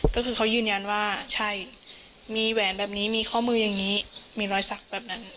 ก็คือเขายืนยันว่าใช่มีแหวนแบบนี้มีข้อมืออย่างนี้มีรอยสักแบบนั้น